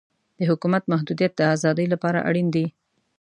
د حکومت محدودیت د ازادۍ لپاره اړین دی.